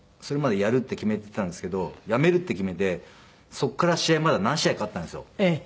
それまでやるって決めてたんですけどやめるって決めてそこから試合まだ何試合かあったんですよ。